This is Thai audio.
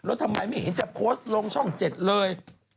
แล้วทำไมไม่เห็นจะโพสต์ลงช่อง๗เลย